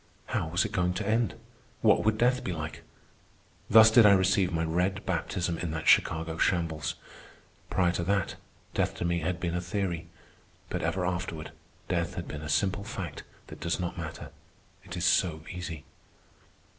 How was it going to end? What would death be like? Thus did I receive my red baptism in that Chicago shambles. Prior to that, death to me had been a theory; but ever afterward death has been a simple fact that does not matter, it is so easy.